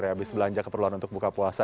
habis belanja keperluan untuk buka puasa